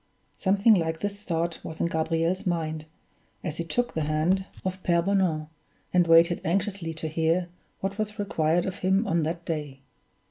Something like this thought was in Gabriel's mind, as he took the hand of Pere Bonan, and waited anxiously to hear what was required of him on that day.